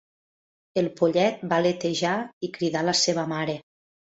El pollet va aletejar i cridà la seva mare.